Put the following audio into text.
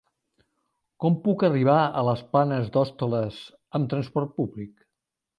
Com puc arribar a les Planes d'Hostoles amb trasport públic?